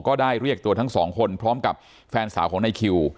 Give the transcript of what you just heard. ก็ได้เรียกตัวทั้งสองคนพร้อมกับแฟนสาวของนายคิว